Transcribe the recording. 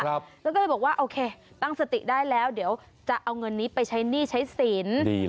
แล้วก็เลยบอกว่าโอเคตั้งสติได้แล้วเดี๋ยวจะเอาเงินนี้ไปใช้หนี้ใช้สิน